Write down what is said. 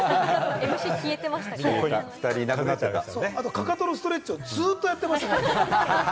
かかとのストレッチ、ずっとやってましたよ。